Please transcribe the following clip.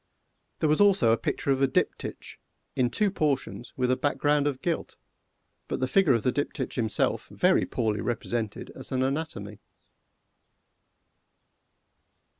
There was also a picture of a Diptych, in two portions, with a background of gilt, but the figure of the Diptych himself very poorly represented as an anatomy.